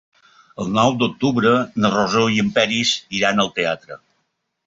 El nou d'octubre na Rosó i en Peris iran al teatre.